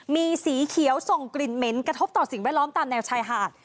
มีสีเขียวส่งกลิ่นเหม็นกระทบต่อสิ่งแวดล้อมตามแนวชายหาด